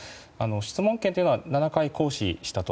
質問権というのは７回行使したと。